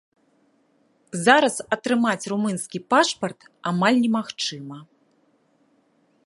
Зараз атрымаць румынскі пашпарт амаль немагчыма.